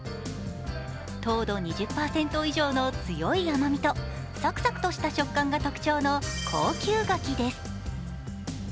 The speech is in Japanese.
糖度２０％以上の強い甘みとサクサクとした食感が特徴の高級柿です。